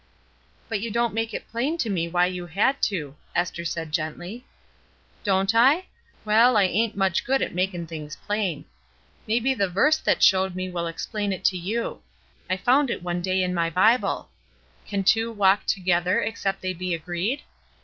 "But you don't make it plain to me why you had to," Esther said gently. "Don't I? Well, I ain't much good at 262 ESTER RIED^S NAMESAKE makin' things plain. Maybe the verse that showed me, will explain it to you. I found it one day in my Bible: 'Can two walk together, except they be agreed?'